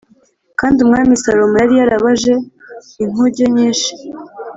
Kandi Umwami Salomo yari yarabaje inkuge nyinshi